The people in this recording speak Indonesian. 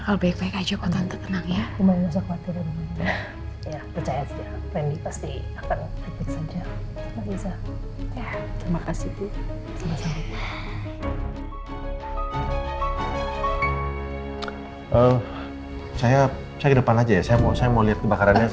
pak surya please